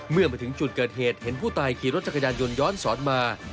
เมื่อมาถึงจุดเกิดเหตุเห็นผู้ตายขี่รถจักรยานยนต์ย้อนสอนมา